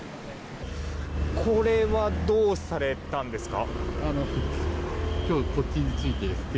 これはどうされたんですか？